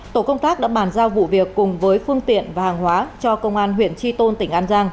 tổ công tác đã bàn giao vụ việc cùng với phương tiện và hàng hóa cho công an huyện tri tôn tỉnh an giang